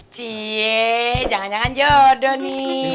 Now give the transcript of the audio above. cie jangan jangan jodoh nih